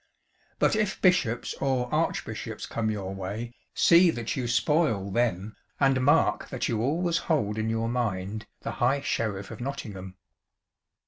But if bishops or archbishops come your way, see that you spoil them, and mark that you always hold in your mind the High Sheriff of Nottingham."